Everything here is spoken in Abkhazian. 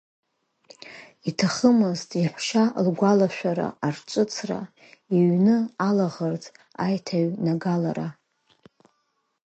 Иҭахымызт иаҳәшьа лгәалашәара арҿыцра, иҩны алаӷырӡ аиҭаҩнагалара.